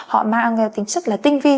họ mang cái tính chất là tinh vi